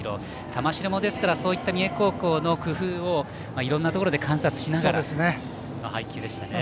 玉城も、そういった三重高校の工夫をいろんなところで観察しながらの配球でしたね。